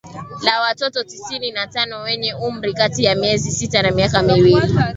la watoto tisini na tano wenye umri kati ya miezi sita na miaka miwili